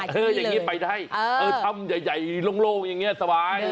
อย่างงี้ไปได้เออท่ำใหญ่ใหญ่โล่งโล่งอย่างเงี้ยสบาย